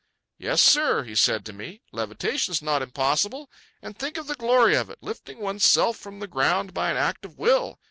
"Yes, sir," he said to me, "levitation is not impossible. And think of the glory of it—lifting one's self from the ground by an act of will.